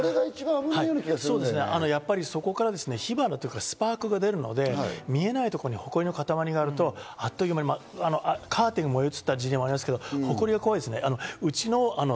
そうですね、そこから火花とかスパークが出るので、見えないところにホコリのかたまりがあるとあっという間にカーテンに燃え移った事例もありますけど怖いですね、ホコリは。